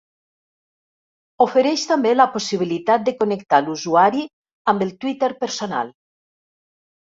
Ofereix també la possibilitat de connectar l'usuari amb el Twitter personal.